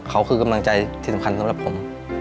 เขาคือกำลังใจที่สำคัญสำหรับผม